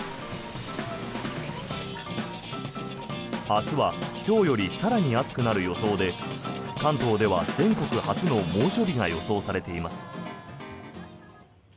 明日は今日より更に暑くなる予想で関東では全国初の猛暑日が予想されています。